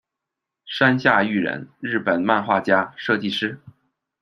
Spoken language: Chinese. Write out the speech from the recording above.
山下育人，日本漫画家、设计师。